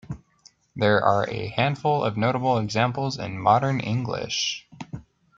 There are a handful of notable examples in modern English.